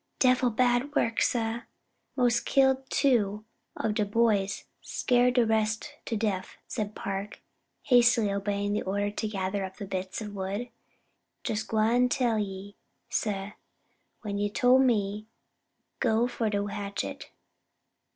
"Dreffle bad work, sah; mos' killed two ob de boys; scared de rest to deff," said Park, hastily obeying the order to gather up the bits of wood, "jes' gwine tell ye, sah, when you tole me go for de hatchet."